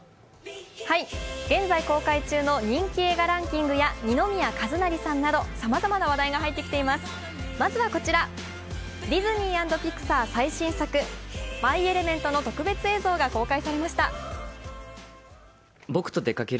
現在公開中の人気映画ランキングや二宮和也さんなどさまざまな話題が入ってきています、まずはこちら、ディズニー＆ピクサー最新作「マイ・エレメント」の特別映像が公開されました。